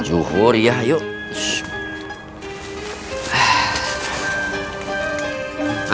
zuhur ya yuk